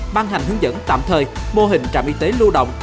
ban hành hướng dẫn tạm thời mô hình trạm y tế lưu động